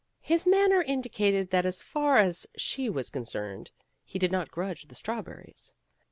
His manner indicated that as far as she was concerned, he did not grudge the strawberries.